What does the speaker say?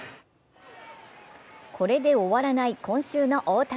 これで終わらない今週の大谷。